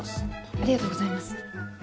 ありがとうございます。